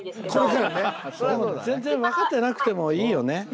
全然分かってなくてもいいよね。